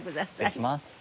失礼します。